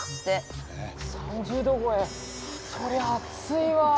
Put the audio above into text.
そりゃ暑いわ。